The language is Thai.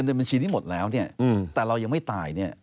ไอบำนานเนี่ย